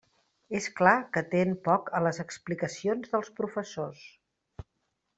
És clar que atén poc a les explicacions dels professors.